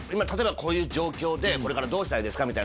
例えばこういう状況でこれからどうしたいですか？